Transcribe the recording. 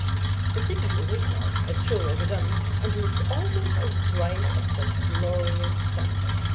The city's awake now, as sure as a gun, And looks almost as bright as that glorious sun.